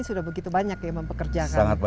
sudah begitu banyak ya mempekerjakan